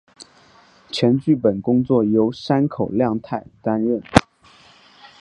全剧本工作由山口亮太担任。